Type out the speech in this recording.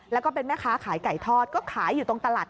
แล้วก็เป็นแม่ค้าขายไก่ทอดก็ขายอยู่ตรงตลาด